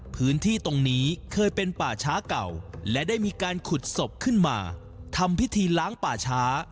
พื้นที่ตรงนี้เคยเป็นป่าช้าเก่าและได้มีการขุดศพขึ้นมาทำพิธีล้างป่าช้า